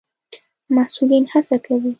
مسئولين هڅه کوي